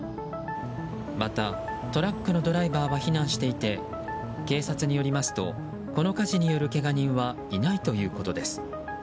またトラックのドライバーは避難していて警察によりますとこの火事によるけが人はいないということです。